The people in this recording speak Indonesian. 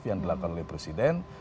yang dilakukan oleh presiden